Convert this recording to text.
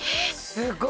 すごい。